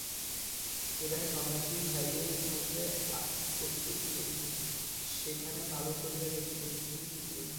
যেখানে সন্ন্যাসী ছাইয়ের মধ্যে আঁক কষিতেছিল সেখানে ভালো করিয়া দেখিল, কিছুই বুঝিল না।